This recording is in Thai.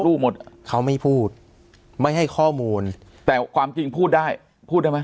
รู้หมดเขาไม่พูดไม่ให้ข้อมูลแต่ความจริงพูดได้พูดได้ไหม